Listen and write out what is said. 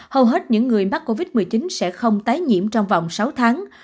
hầu hết những người mắc covid một mươi chín sẽ không tái nhiễm trong vòng sáu tháng